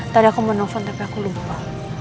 tadi aku mau nelfon tapi aku lupa